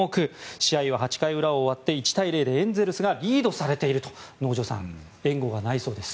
試合は８回裏終わってエンゼルスがリードされていると能條さん、援護がないそうです。